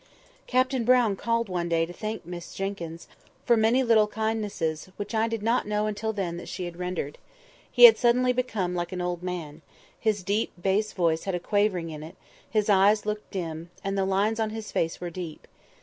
Captain Brown called one day to thank Miss Jenkyns for many little kindnesses, which I did not know until then that she had rendered. He had suddenly become like an old man; his deep bass voice had a quavering in it, his eyes looked dim, and the lines on his face were deep.